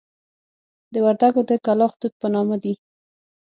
د وردکو د کلاخ توت په نامه دي.